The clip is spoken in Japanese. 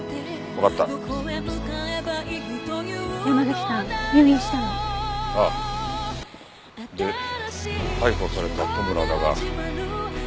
で逮捕された戸村だが。